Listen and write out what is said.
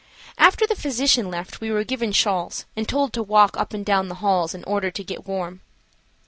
After the physician left we were given shawls and told to walk up and down the halls in order to get warm.